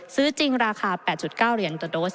ซื้อจริงราคา๘๙เหรียญต่อโดส